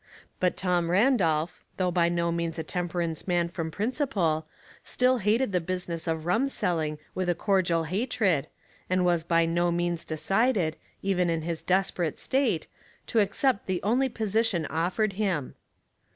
But Tom Randolph, though by no means a temperance man from principle still hated the business of rum selling with a coi dial hatred, and was by no means decided, even in his desperate state, to accept the onlj posi Light without Logic. 119 tion offered hira.